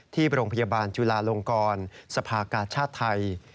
ที่โรงพยาบาลจุลาลงกรสภากาชาติไทย